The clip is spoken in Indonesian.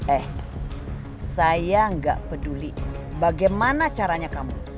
eh saya gak peduli bagaimana caranya kamu